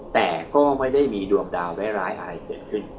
แต่ก็ไม่ได้มีดวงดาวร้ายอะไรเกิดขึ้น